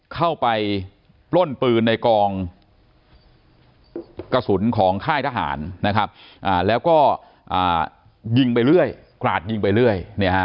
เข้าไปปล้นปืนในกองกระสุนของค่ายทหารนะครับแล้วก็ยิงไปเรื่อยกราดยิงไปเรื่อย